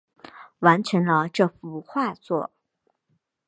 完成了这幅画作